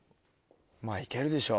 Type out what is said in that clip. まぁ行けるでしょ。